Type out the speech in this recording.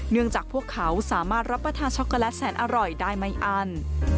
จากพวกเขาสามารถรับประทานช็อกโกแลตแสนอร่อยได้ไม่อัน